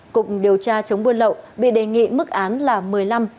cùng điều tra chống buôn lậu bị đề nghị mức án là một mươi năm một mươi sáu năm tù về tội nhận hối lộ